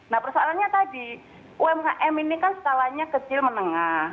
nah persoalannya tadi umkm ini kan skalanya kecil menengah